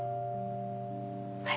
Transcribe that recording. はい。